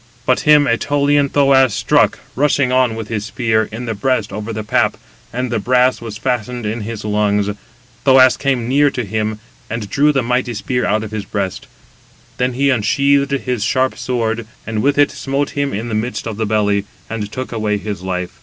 But him 192 Ætolian Thoas struck, rushing on with his spear, in the breast over the pap, and the brass was fastened in his lungs: Thoas came near to him, and drew the mighty spear out of his breast; then he unsheathed his sharp sword, and with it smote him in the midst of the belly, and took away his life.